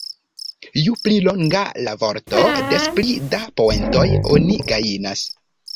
Ju pli longa la vorto, des pli da poentoj oni gajnas.